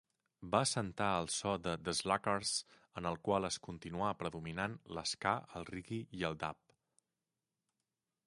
Va assentar el so de The Slackers, en el qual es continuar predominant l'ska, el reggae i el dub.